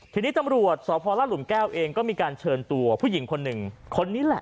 ทีนี้ตำรวจสพลาดหลุมแก้วเองก็มีการเชิญตัวผู้หญิงคนหนึ่งคนนี้แหละ